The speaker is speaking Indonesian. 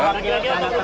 pak gibran ya pak